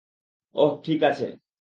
ওহ ঠিক আছে।